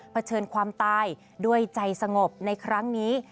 เฉินความตายด้วยใจสงบในครั้งนี้